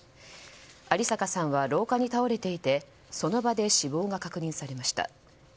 有坂さんは廊下に倒れていてその場で死亡が確認されました。